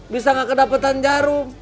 bisa gak kedapetan jarum